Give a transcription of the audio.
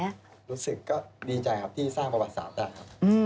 รู้สึกก็ดีใจครับที่สร้างประวัติศาสตร์ได้ครับ